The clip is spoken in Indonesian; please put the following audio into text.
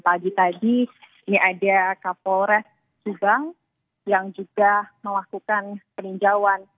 pagi tadi ini ada kapolres subang yang juga melakukan peninjauan